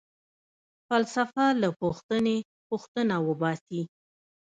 فلسفه له پوښتنې٬ پوښتنه وباسي.